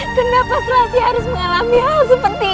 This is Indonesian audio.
kenapa seravi harus mengalami hal seperti ini